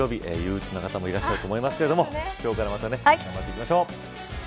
憂うつな方もいらっしゃると思いますけど今日からまた頑張っていきましょう。